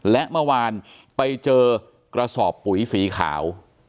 และเมื่อวานไปเจอกระสอบปุ๋ยสีขาว